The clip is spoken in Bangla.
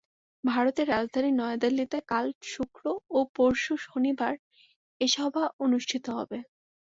ভারতের রাজধানী নয়াদিল্লিতে কাল শুক্র ও পরশু শনিবার এ সভা অনুষ্ঠিত হবে।